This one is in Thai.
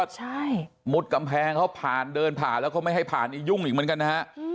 ใช่มุดกำแพงเขาผ่านเดินผ่านแล้วเขาไม่ให้ผ่านนี่ยุ่งอีกเหมือนกันนะฮะ